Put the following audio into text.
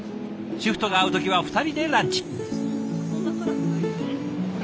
シフトが合う時は２人でランチ。